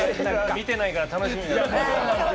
見てないから楽しみ。